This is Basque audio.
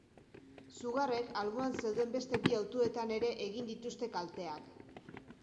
Sugarrek alboan zeuden beste bi autoetan ere egin dituzte kalteak.